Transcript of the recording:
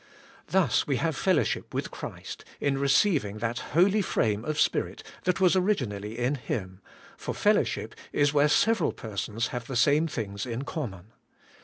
Thus we have fellowship with Christ, in receiving that holy frame of spirit that was origi nally in Him ; for fellowship is where several persons have the same things in common.